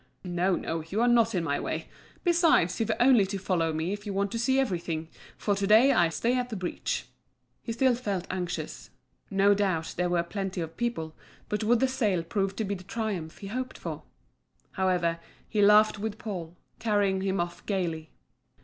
"No, no, you are not in my way. Besides, you've only to follow me if you want to see everything, for to day I stay at the breach." He still felt anxious. No doubt there were plenty of people, but would the sale prove to be the triumph he hoped for? However, he laughed with Paul, carrying him off gaily.